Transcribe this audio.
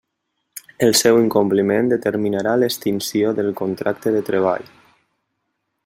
El seu incompliment determinarà l'extinció del contracte de treball.